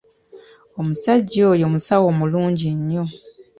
Omusajja oyo musawo mulungi nnyo.